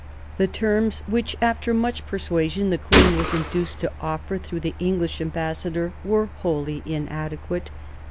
The terms which, after much per suasion, the queen was induced to offer through the English ambassador were wholly inadequate.